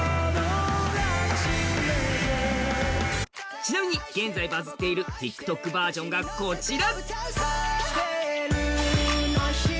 ちなみに現在、バズってるＴｉｋＴｏｋ楽曲はこちら。